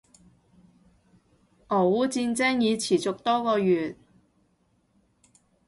俄烏戰爭已持續多個月